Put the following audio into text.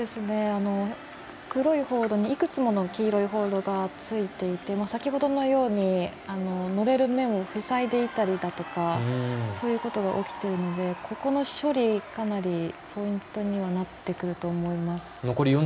黒いホールドにいくつもの黄色いホールドがついていて先ほどのように乗れる面を塞いでいたりだとかそういうことが起きているのでここの処理がかなりポイントになってくると思います。